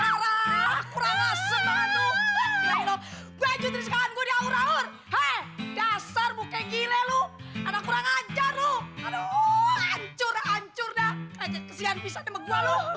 kesian pisahnya sama gue lo